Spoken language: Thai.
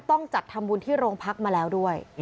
ต้องจัดทำบุญที่โรงพักมาแล้วด้วย